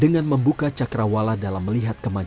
dengan membuka cakra wala dalam melihat kemajuan